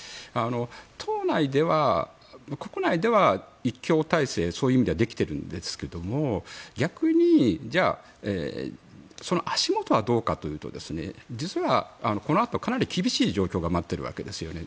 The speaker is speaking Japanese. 党内では、国内では一強体制がそういう意味ではできているんですが逆にその足元はどうかというと実はこのあとかなり厳しい状況が待っているわけですよね。